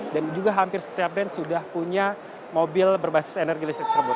dan juga hampir setiap brand sudah punya mobil berbasis energi listrik tersebut